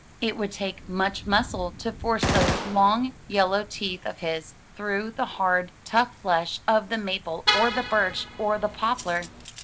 It would take much muscle to force those long, yellow teeth of his through the hard, tough flesh of the maple or the birch or the poplar.